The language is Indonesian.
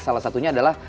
salah satunya adalah